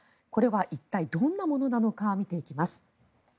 これは一体どんなものなのか見ていきます。